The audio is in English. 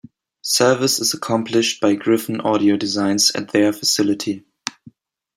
Service is accomplished by Gryphon Audio Designs at their facility.